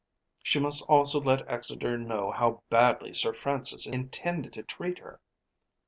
She must also let Exeter know how badly Sir Francis intended to treat her.